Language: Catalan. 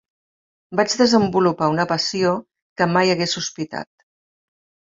Vaig desenvolupar una passió que mai hagués sospitat.